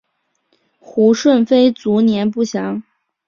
胡顺妃卒年不详。